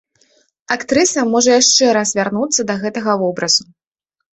Актрыса можа яшчэ раз вярнуцца да гэтага вобразу.